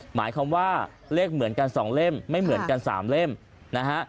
หมายความว่าเลขเหมือนกัน๒เล่มไม่เหมือนกัน๓เล่มนะฮะ